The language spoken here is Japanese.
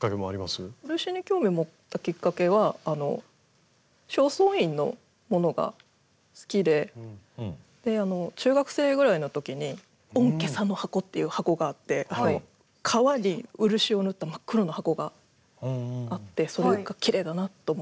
漆に興味を持ったきっかけは正倉院のものが好きで中学生ぐらいの時に御袈裟箱っていう箱があって革に漆を塗った真っ黒の箱があってそれがきれいだなと思って。